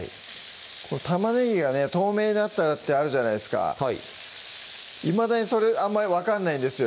玉ねぎがね透明になったらってあるじゃないっすかはいいまだにそれあんまり分かんないんですよ